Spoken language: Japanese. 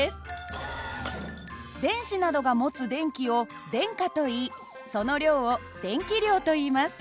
電子などが持つ電気を電荷といいその量を電気量といいます。